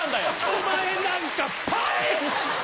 お前なんかポイ‼